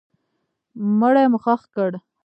مړی مو ښخ کړ.